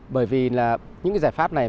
bởi vì những giải pháp này